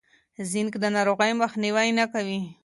زینک د ناروغۍ مخنیوی نه کوي.